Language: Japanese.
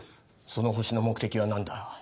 そのホシの目的は何だ？